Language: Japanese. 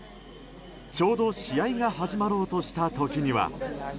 ちょうど試合が始まろうとした時には。